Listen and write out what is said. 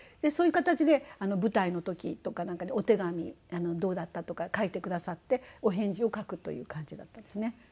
そういう形で舞台の時とかなんかにお手紙どうだったとか書いてくださってお返事を書くという感じだったんですね。